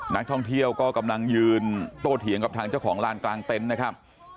นักท่องเที่ยวก็กำลังยืนโตเถียงกับทางเจ้าของลานกลางเต็นต์นะครับ